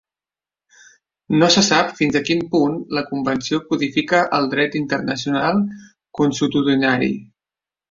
No se sap fins a quin punt la Convenció codifica el dret internacional consuetudinari.